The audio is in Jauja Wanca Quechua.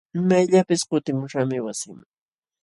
Imayllapis kutimuśhaqmi wasiiman.